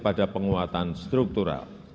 pada penguatan struktural